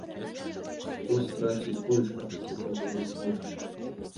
Хто страціць больш ад такога разводу?